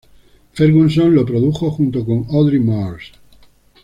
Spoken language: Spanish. Ferguson lo produjo junto con Audrey Marrs.